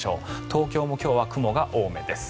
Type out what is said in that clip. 東京も今日は雲が多めです。